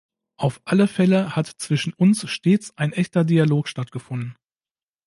Auf alle Fälle hat zwischen uns stets ein echter Dialog stattgefunden.